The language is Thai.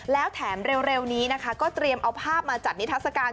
แล้วแถมเร็วนี้นะคะก็เตรียมเอาภาพมาจัดนิทัศกาล